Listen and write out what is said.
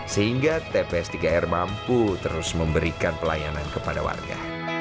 sehingga tps tiga r mampu terus memberikan pelayanan kepada warga